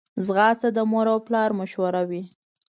ځغاسته د مور او پلار مشوره وي